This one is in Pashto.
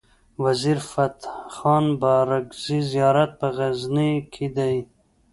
وزیر فتح خان بارګزی زيارت په غزنی کی دی